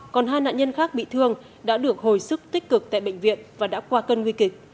còn hai nạn nhân khác bị thương đã được hồi sức tích cực tại bệnh viện và đã qua cân nguy kịch